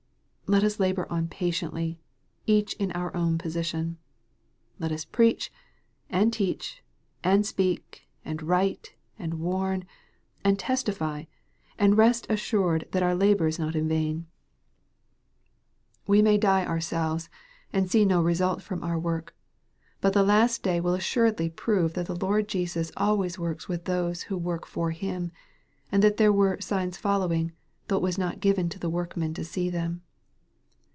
Let us labor on patiently, each in our own position. Let us preach, and teach, and speak, and write, and warn, and testify, and rest assured that our labor is not in vain. We may die our 16* EXPOSITORY THOUGHTS. selves, and see no result from our work. But the last day will assuredly prove that the Lord Jesus always works with those who work for Him, and that there were " signs following," though it was not given to the workmen to see them.